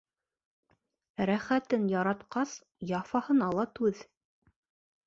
Рәхәтең яратҡас, яфаһына ла түҙ.